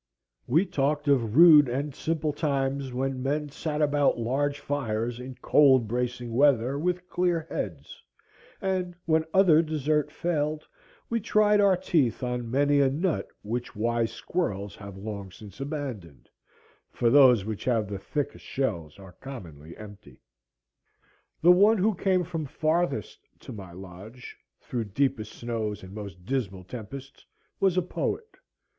We talked of rude and simple times, when men sat about large fires in cold bracing weather, with clear heads; and when other dessert failed, we tried our teeth on many a nut which wise squirrels have long since abandoned, for those which have the thickest shells are commonly empty. The one who came from farthest to my lodge, through deepest snows and most dismal tempests, was a poet.